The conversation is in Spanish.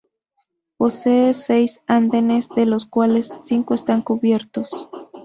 Posee seis andenes, de los cuales cinco están cubiertos.